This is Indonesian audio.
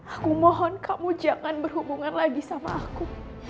aku mohon kamu jangan berhubungan lagi sama aku